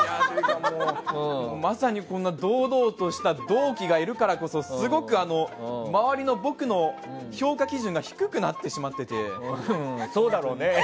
まさにこんな堂々とした同期がいるからこそ、すごく周りの僕の評価基準が低くなってしまってて。